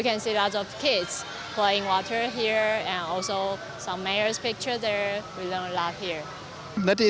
kita bisa melihat banyak di sini